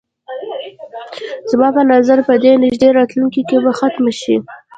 زما په نظر په دې نږدې راتلونکي کې به ختمه شي.